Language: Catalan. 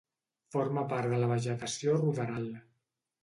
Forma part de la vegetació ruderal.